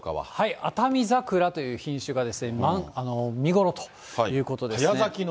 アタミザクラという品種が見頃ということです。